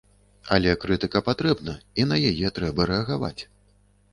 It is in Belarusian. Але крытыка патрэбна, і на яе трэба рэагаваць.